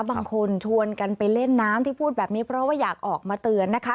บางคนชวนกันไปเล่นน้ำที่พูดแบบนี้เพราะว่าอยากออกมาเตือนนะคะ